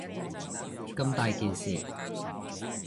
咁大件事